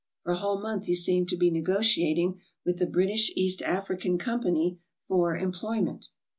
For a whole month he seemed to be negotiating with the British East African Company for employment.